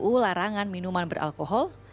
ruu perhubungan minuman beralkohol